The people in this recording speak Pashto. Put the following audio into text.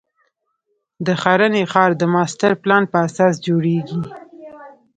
د ښرنې ښار د ماسټر پلان په اساس جوړېږي.